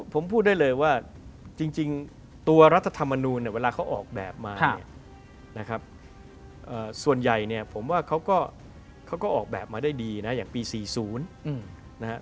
ผมพูดได้เลยว่าจริงตัวรัฐธรรมนูลเนี่ยเวลาเขาออกแบบมาเนี่ยนะครับส่วนใหญ่เนี่ยผมว่าเขาก็ออกแบบมาได้ดีนะอย่างปี๔๐นะฮะ